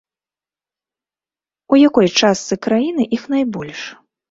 У якой частцы краіны іх найбольш?